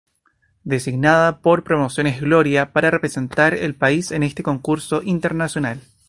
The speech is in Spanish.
Designada por Promociones Gloria para representar al País en este concurso internacional.